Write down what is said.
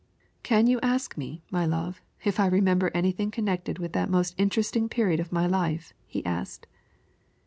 "Can you ask me, my love, if I remember anything connected with that most interesting period of my life?" he asked.